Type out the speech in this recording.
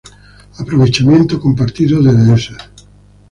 aprovechamiento compartido de dehesas